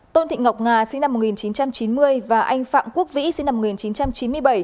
tôn thị ngọc nga sinh năm một nghìn chín trăm chín mươi và anh phạm quốc vĩ sinh năm một nghìn chín trăm chín mươi bảy